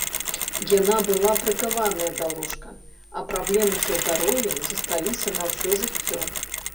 Яна была прыкаваная да ложка, а праблемы са здароўем засталіся на ўсё жыццё.